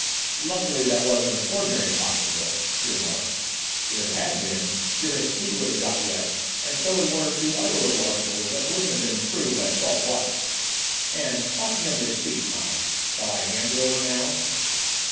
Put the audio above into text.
"Lucky that wasn't an ordinary pocketbook." he remarked. "If it had been, your receipt would have got wet, and so would one or two other little articles that wouldn't have been improved by salt water. And, talking of the receipt, Tom, shall I hand it over now?"